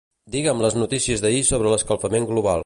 Digue'm les notícies d'ahir sobre l'escalfament global.